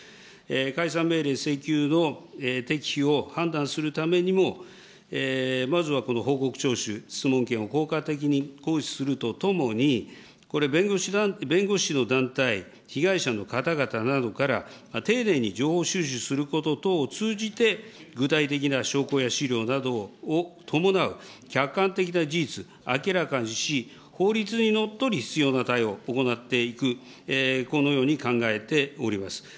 解散命令請求の適否を判断するためにも、まずはこの報告徴収質問権を効果的に行使するとともに、これ、弁護士の団体、被害者の方々などから、丁寧に情報収集すること等を通じて、具体的な証拠や資料などを伴う客観的な事実、明らかにし、法律にのっとり必要な対応を行っていく、このように考えております。